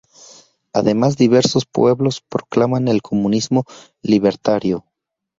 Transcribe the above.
Además diversos pueblos proclaman el comunismo libertario.